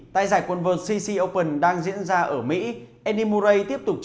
tại giải quân world cc open đang diễn ra ở mỹ